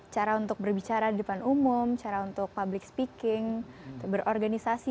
cara untuk berbicara di depan umum cara untuk public speaking berorganisasi